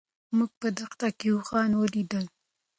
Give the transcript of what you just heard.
موږ په دښته کې اوښان ولیدل.